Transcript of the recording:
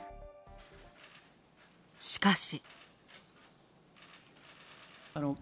しかし。